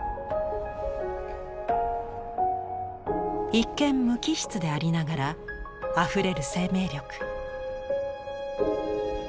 一見無機質でありながらあふれる生命力。